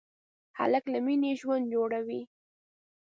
هلک له مینې ژوند جوړوي.